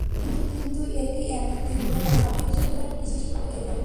কিন্তু এটি একইভাবে সত্যি হতে পারে পাবলিক বিশ্ববিদ্যালয়ের কিছু শিক্ষকের ক্ষেত্রেও।